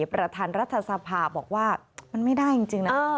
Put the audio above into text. ประธานรัฐสภาบอกว่ามันไม่ได้จริงนะ